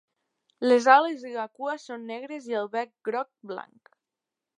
Les ales i la cua són negres i el bec groc-blanc.